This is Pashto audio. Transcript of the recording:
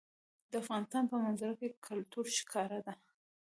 د افغانستان په منظره کې کلتور ښکاره ده.